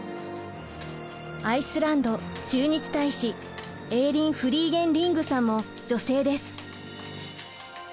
アイスランド駐日大使エーリン・フリーゲンリングさんも女性です。